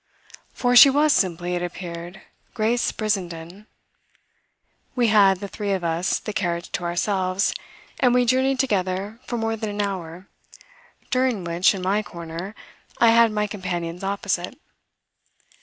For she was simply, it appeared, Grace Brissenden. We had, the three of us, the carriage to ourselves, and we journeyed together for more than an hour, during which, in my corner, I had my companions opposite.